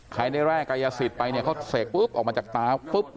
ใครได้แร่ไกยสิทธิ์ไปเขาเสกออกมาจากตา